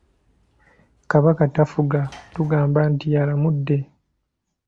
Kabaka tafuga tugamba nti alamudde.